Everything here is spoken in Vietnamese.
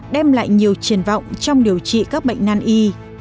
đem lại nhiều triển vọng trong điều trị các bệnh nan y